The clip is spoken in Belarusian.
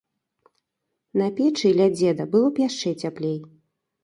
На печы, ля дзеда, было б яшчэ цяплей.